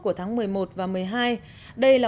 của tháng một mươi một và một mươi hai đây là